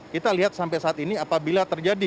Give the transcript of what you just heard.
kita lihat sampai saat ini apabila terjadi